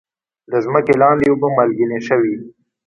د ځمکې لاندې اوبه مالګینې شوي؟